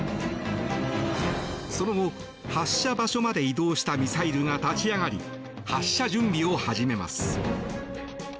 その後、発射場所まで移動したミサイルが立ち上がり発射準備を始めます。